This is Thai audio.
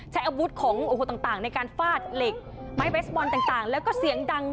ใช้อาวุธของโอ้โหต่างในการทราบเหล็กไหม้เบสบอนต่าง